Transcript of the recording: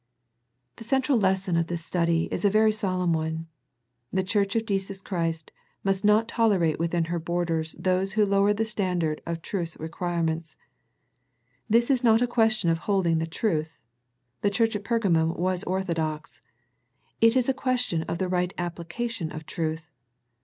The central lesson of the study is a very solemn one. The Church of Jesus Christ must not tolerate within her borders those who lower the standard of truth's requirements. This is not a question of holding the truth. The church at Pergamum was orthodox. It is a question of the right application of truth.